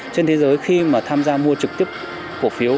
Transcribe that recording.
trên thế giới khi mà tham gia mua trực tiếp cổ phiếu